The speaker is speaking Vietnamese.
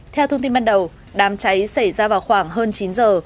theo thông tin ban đầu đám cháy xảy ra vào khoảng hơn chín giờ